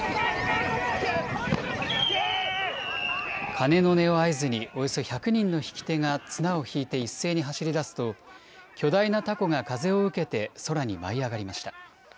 鐘の音を合図に、およそ１００人の引き手が綱を引いて一斉に走り出すと、巨大なたこが風を受けて空に舞い上がりました。